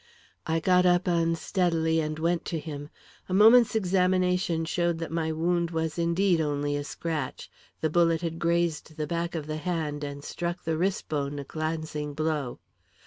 I got up unsteadily and went to him. A moment's examination showed that my wound was indeed only a scratch. The bullet had grazed the back of the hand and struck the wrist bone a glancing blow.